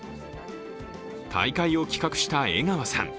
大会を企画した頴川さん。